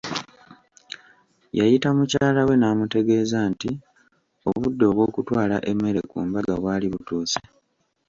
Yayita mukyala we namutegeeza nti obudde obw’okutwala emmere ku mbaga bwali butuuse.